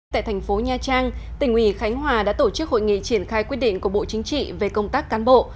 tại thành phố nha trang tỉnh ủy khánh hòa đã tổ chức hội nghị triển khai quyết định của bộ chính trị về công tác cán bộ